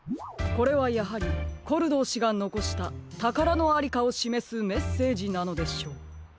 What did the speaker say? これはやはりコルドー氏がのこしたたからのありかをしめすメッセージなのでしょう。